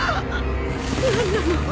何なの？